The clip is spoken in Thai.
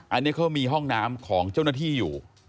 อันนี้เขามีห้องน้ำของเจ้าหน้าที่อยู่